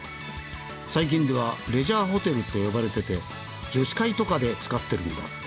「最近ではレジャーホテルって呼ばれてて女子会とかで使ってるんだって！」